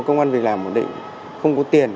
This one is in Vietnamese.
công an việc làm bổn định không có tiền